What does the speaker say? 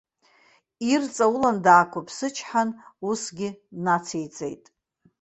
Ирҵаулан даақәыԥсычҳан, усгьы нациҵеит.